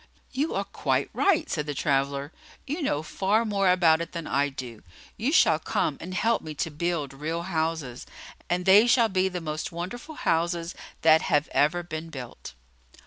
"You are quite right," said the traveller; "you know far more about it than I do. You shall come and help me to build real houses, and they shall be the most wonderful houses that have ever been built."